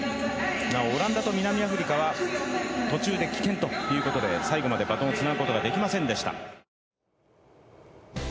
オランダと南アフリカは途中で棄権ということで最後までバトンをつなぐことができませんでした。